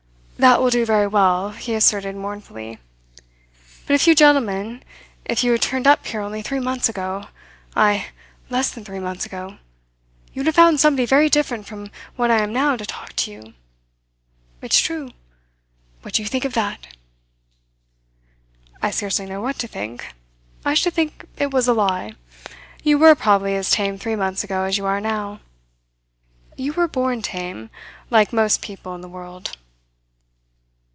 "That will do very well," he asserted mournfully. "But if you gentlemen, if you had turned up here only three months ago ay, less than three months ago you would have found somebody very different from what I am now to talk to you. It's true. What do you think of that?" "I scarcely know what to think. I should think it was a lie. You were probably as tame three months ago as you are now. You were born tame, like most people in the world."